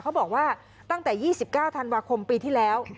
เขาบอกว่าตั้งแต่๒๙ธันวาคมปีที่แล้ว